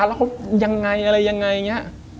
อะไรยังไงอะไรยังไง